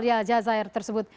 ya jazair tersebut